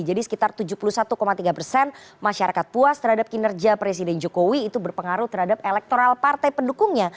jadi sekitar tujuh puluh satu tiga persen masyarakat puas terhadap kinerja presiden jokowi itu berpengaruh terhadap elektoral partai pendukungnya